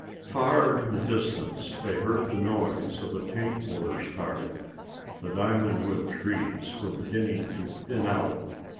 Far in the distance they heard the noise of a tank motor starting. The diamond wood trees were beginning to thin out.